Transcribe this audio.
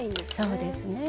そうですね。